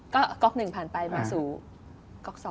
ก็ก๊อก๑ผ่านไปมาสู่ก๊อก๒